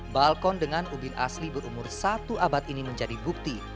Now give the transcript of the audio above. balkon dengan ubin asli berumur satu abad ini menjadi bukti